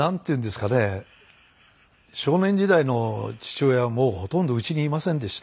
少年時代の父親はもうほとんどうちにいませんでした。